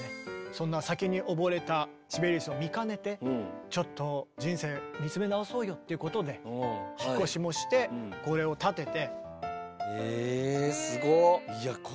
そんな酒に溺れたシベリウスを見かねてちょっと人生見つめ直そうよっていうことで引っ越しもしてこれを建てて。